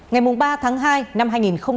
ngày ba tháng hai năm hai nghìn một mươi